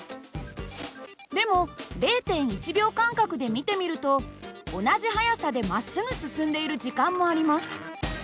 でも０．１秒間隔で見てみると同じ速さでまっすぐ進んでいる時間もあります。